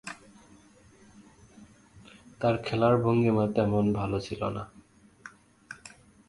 তার খেলার ভঙ্গীমা তেমন ভালো ছিল না।